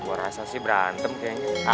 buat rasa sih berantem kayaknya